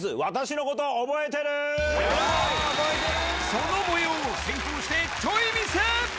その模様を先行してチョイ見せ！